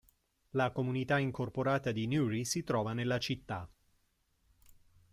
La comunità incorporata di Newry si trova nella città.